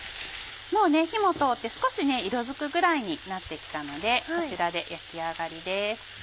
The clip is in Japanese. もう火も通って少し色づくぐらいになって来たのでこちらで焼き上がりです。